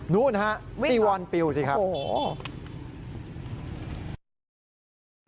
นู้นฮะตีวอนปิวสิครับโอ้โฮโอ้โฮ